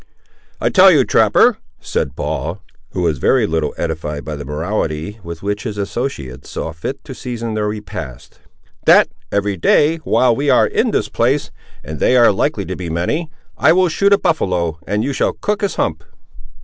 "I tell you, trapper," said Paul, who was very little edified by the morality with which his associate saw fit to season their repast, "that, every day while we are in this place, and they are likely to be many, I will shoot a buffaloe and you shall cook his hump!"